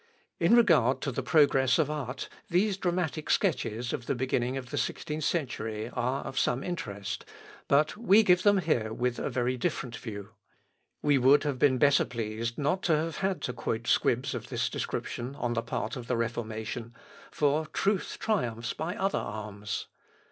In regard to the progress of art, these dramatic sketches of the beginning of the sixteenth century are of some interest; but we give them here with a very different view. We would have been better pleased not to have had to quote squibs of this description on the part of the Reformation, for truth triumphs by other arms.